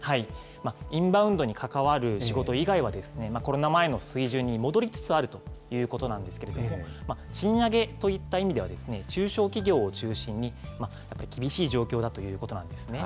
インバウンドに関わる仕事以外は、コロナ前の水準に戻りつつあるということなんですけれども、賃上げといった意味では、中小企業を中心に厳しい状況だということなんですね。